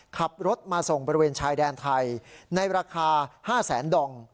ขับรถมาส่งบริเวณชายแดนไทยในราคา๕แสนดอง